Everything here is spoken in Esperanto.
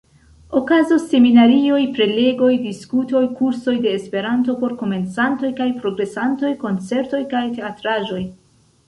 Okazos seminarioj, prelegoj, diskutoj, kursoj de Esperanto por komencantoj kaj progresantoj, koncertoj kaj teatraĵoj.